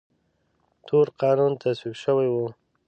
تور قانون تصویب شوی و.